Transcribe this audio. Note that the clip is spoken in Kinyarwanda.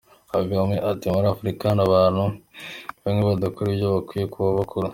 Kagame ati muri Afrika hari abantu bamwe badakora ibyo bakwiye kuba bakora.